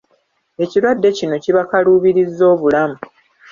Ekirwadde kino kibakaluubirizza obulamu.